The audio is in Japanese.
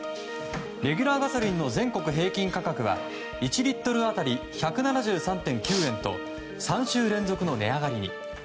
レギュラーガソリンの全国平均価格は１リットル当たり１７３．９円と３週連続の値上がりに。